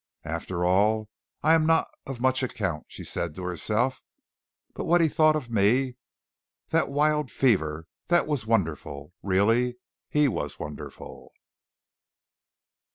"After all, I am not of much account," she said to herself. "But what he thought of me! that wild fever that was wonderful! Really he was wonderful!"